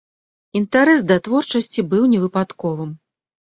Інтарэс да творчасці быў не выпадковым.